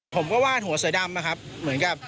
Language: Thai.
ผมก็ว่านหัวเสด้ำนะครับ